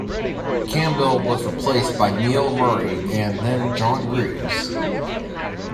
Campbell was replaced by Neil Murray and then John Greaves.